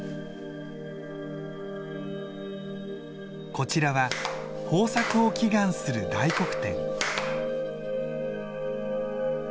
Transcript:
こちらは豊作を祈願する大黒天。